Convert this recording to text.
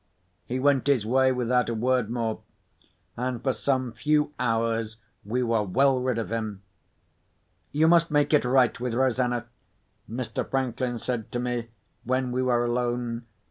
He went his way without a word more—and for some few hours we were well rid of him. "You must make it right with Rosanna," Mr. Franklin said to me, when we were alone.